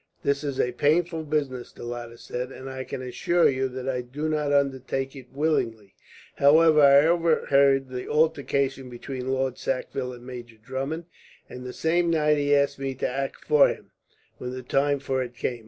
"This is a painful business," the latter said, "and I can assure you that I do not undertake it willingly. However, I overheard the altercation between Lord Sackville and Major Drummond, and the same night he asked me to act for him, when the time for it came.